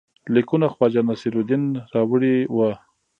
لیکونه خواجه نصیرالدین راوړي وه.